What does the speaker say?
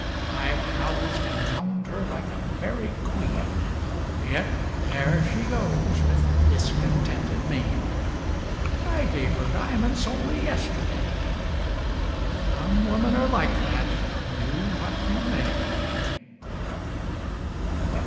I've housed and gowned her like a very queen Yet there she goes, with discontented mien. I gave her diamonds only yesterday: Some women are like that, do what you may.